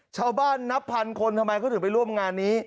ชาวบ้านนับพันคนทำไมเขาถึงไปร่วมงานนี้